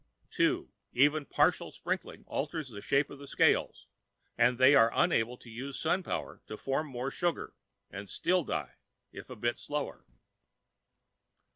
Two: even partial sprinkling alters the shape of the scales, and they are unable to use sunpower to form more sugar, and still die, if a bit slower."